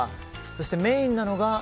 そしてメインなのは。